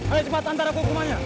ayo cepat antar aku rumahnya